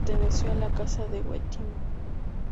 Perteneció a la casa de Wettin.